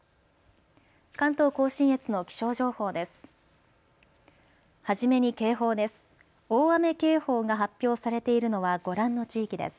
関東甲信越の気象情報です。